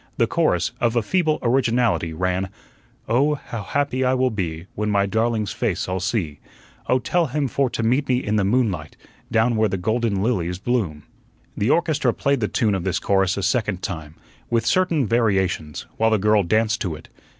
The chorus, of a feeble originality, ran: "Oh, how happy I will be, When my darling's face I'll see; Oh, tell him for to meet me in the moonlight, Down where the golden lilies bloom." The orchestra played the tune of this chorus a second time, with certain variations, while the girl danced to it.